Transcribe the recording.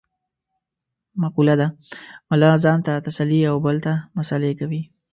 مقوله ده : ملا ځان ته تسلې او بل ته مسعلې کوي.